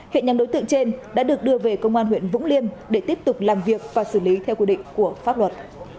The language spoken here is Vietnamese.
hiện nhóm đối tượng trên đã được đưa về công an huyện vũng liêm để tiếp tục làm việc và xử lý theo quy định của pháp luật